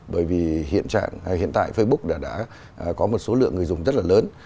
bởi vì hiện tại facebook đã có một số lượng người dùng rất là lớn